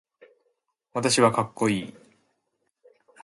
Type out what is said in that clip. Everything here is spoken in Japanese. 私はかっこいい